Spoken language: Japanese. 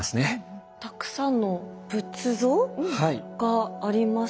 たくさんの仏像がありますね。